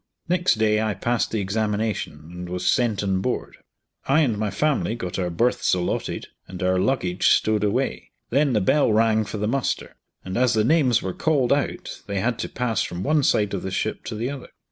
Next day I passed the examination, and was sent on board. I and my family got our berths allotted and our luggage stowed away, then the bell rang for the muster, and as the names were called out they had to pass from one side of the ship to the other.